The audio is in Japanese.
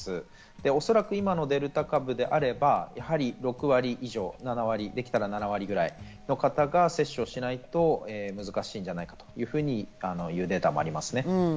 おそらく今のデルタ株であれば、６割以上、できたら７割ぐらいの方が接種しないと難しいんじゃないかというふうなデータもあります。